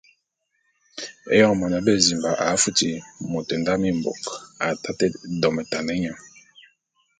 Éyoñ mône bezimba a futi môt nda mimbôk, a taté ndometan nye.